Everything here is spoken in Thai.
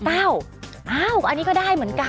อันนี้ก็ได้เหมือนกัน